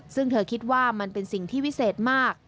ซึ่งเธอคิดว่ามันเป็นสิ่งที่วิเศษมาก